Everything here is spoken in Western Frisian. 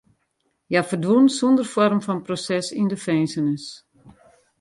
Hja ferdwûn sûnder foarm fan proses yn de finzenis.